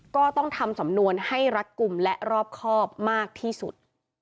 ก็ต้องทำสำนวนให้รัดกลุ่มและรอบครอบมากที่สุด